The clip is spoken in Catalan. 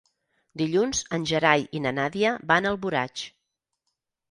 Dilluns en Gerai i na Nàdia van a Alboraig.